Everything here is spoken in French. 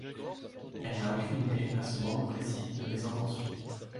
Elle n’a aucune idée, à ce moment précis, de mes intentions.